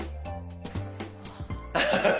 アハハハ。